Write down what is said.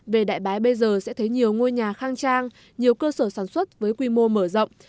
về đại bái bây giờ sẽ thấy nhiều ngôi nhà khang trang nhiều cơ sở sản xuất với quy mô mở rộng